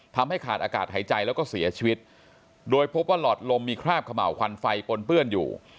ทำให้ขาดอากาศหายใจแล้วก็เสียชีวิตโดยพบว่าหลอดลมมีคราบเขม่าวควันไฟปนเปื้อนอยู่